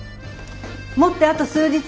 もってあと数日。